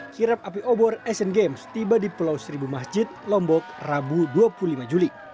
kirap api obor asian games tiba di pulau seribu masjid lombok rabu dua puluh lima juli